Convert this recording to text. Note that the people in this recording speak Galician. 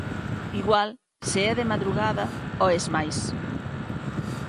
Igual se é de madrugada oes máis.